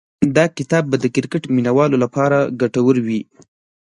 دا کتاب به د کرکټ مینه والو لپاره ګټور وي.